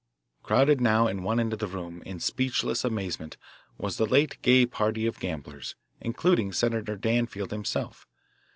Crowded now in one end of the room in speechless amazement was the late gay party of gamblers, including Senator Danfield himself.